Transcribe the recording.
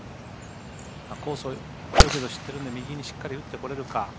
コースをある程度知ってるんで右にしっかり打ってこれるか。